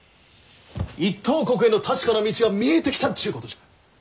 一等国への確かな道が見えてきたっちゅうことじゃ。